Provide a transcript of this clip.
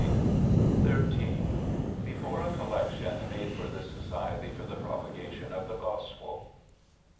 "]\ 3 before a Collection ma&e for tbe Society for tbe propaga* tion of tbe 6ospel.